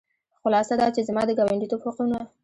خلاصه دا چې زما د ګاونډیتوب حقونه.